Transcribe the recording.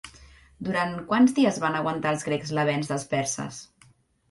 Durant quants dies van aguantar els grecs l'avenç dels perses?